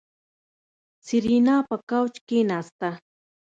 سېرېنا په کوچ کېناسته.